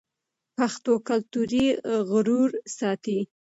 پښتو کلتوري غرور ساتي.